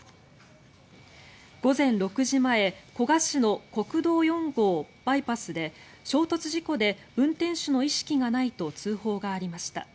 午前６時前古河市の国道４号バイパスで衝突事故で運転手の意識がないと通報がありました。